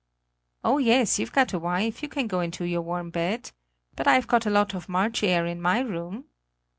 "Oh, yes; you've got a wife, you can go into your warm bed! But I've got a lot of March air in my room!"